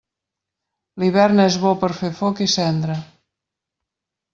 L'hivern és bo per fer foc i cendra.